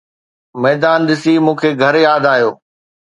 ميدان ڏسي مون کي گهر ياد آيو